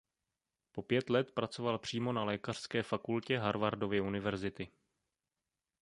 Po pět let pracoval přímo na Lékařské fakultě Harvardovy univerzity.